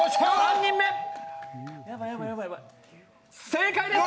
正解です！